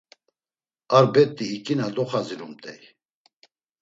Ar bet̆i iǩina doxazirumt̆ey.